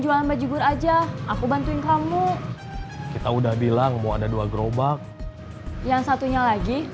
jualan bajugur aja aku bantuin kamu kita udah bilang mau ada dua gerobak yang satunya lagi